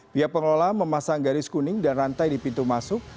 pihak pengelola memasang garis kuning dan rantai di pintu masuk